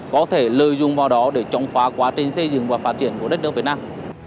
có thể lợi dụng vào đó để chống phá quá trình xây dựng và phát triển của đất nước việt nam